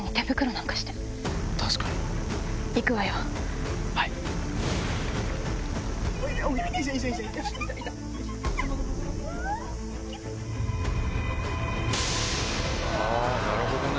なるほどね。